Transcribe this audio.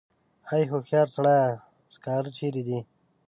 ای هوښیار سړیه سکاره چېرې دي.